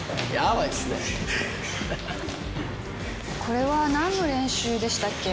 これはなんの練習でしたっけ？